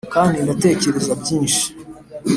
kandi ndatekereza byinshi